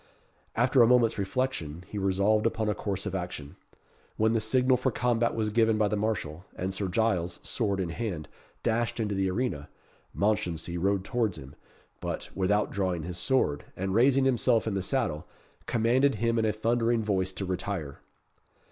After a moment's reflection, he resolved upon a course of action. When the signal for the combat was given by the marshal, and Sir Giles, sword in hand, dashed into the arena, Mounchensey rode towards him, but, without drawing his sword, and raising himself in the saddle, commanded him in a thundering voice to retire.